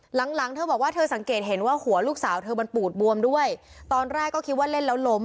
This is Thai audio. หลังหลังเธอบอกว่าเธอสังเกตเห็นว่าหัวลูกสาวเธอมันปูดบวมด้วยตอนแรกก็คิดว่าเล่นแล้วล้ม